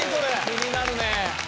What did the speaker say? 気になるね。